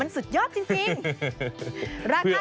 สุดยอดจริง